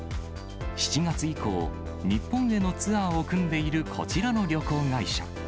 ７月以降、日本へのツアーを組んでいるこちらの旅行会社。